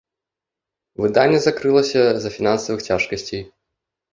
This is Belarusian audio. Выданне закрылася з-за фінансавых цяжкасцей.